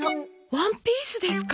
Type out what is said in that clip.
ワンピースですか？